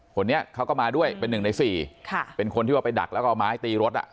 คนนี้เขาก็มาด้วยเป็นหนึ่งในสี่ค่ะเป็นคนที่ว่าไปดักแล้วก็เอาไม้ตีรถอ่ะ